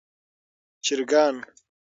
چرګان